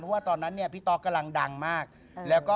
เพราะว่าตอนนั้นพี่ต๊อกกำลังดังมาก